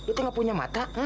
itu gak punya mata